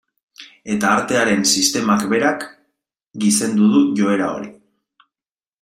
Eta artearen sistemak berak gizendu du joera hori.